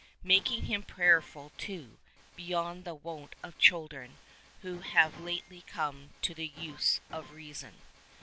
Making him prayerful too — beyond the wont of children who have lately come to the use of reason.